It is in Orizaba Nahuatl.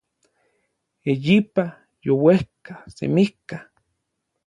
eyipa, youejka, semijka